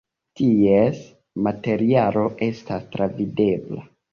Ties materialo estas travidebla.